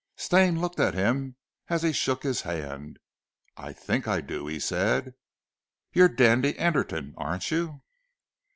Stane looked at him as he shook his hand. "I think I do," he said. "Your Dandy Anderton, aren't you?"